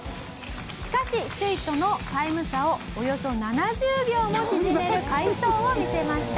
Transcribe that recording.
しかし首位とのタイム差をおよそ７０秒も縮める快走を見せました。